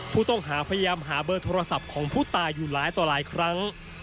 ผู้ต้องหาพยายามหาเบอร์โทรศัพท์ของผู้ตายอยู่หลายต่อหลายครั้ง